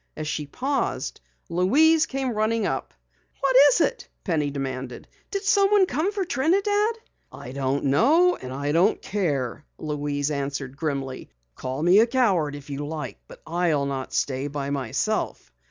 As she paused, Louise came running up. "What is it?" Penny demanded. "Did someone come for Trinidad?" "I don't know, and I don't care!" Louise answered grimly. "Call me a coward if you like I'll not stay by myself!"